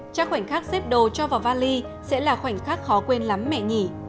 chắc khoảnh khắc xếp đồ cho vào vali sẽ là khoảnh khắc khó quên lắm mẹ nhỉ